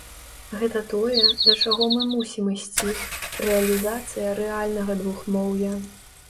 Гэта тое, да чаго мы мусім ісці, рэалізацыя рэальнага двухмоўя.